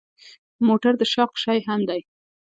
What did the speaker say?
موټر د شوق شی هم دی.